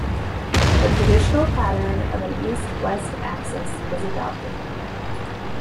The traditional pattern of an east-west axis was adopted.